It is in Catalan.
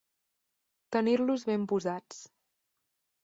Tenir-los ben posats.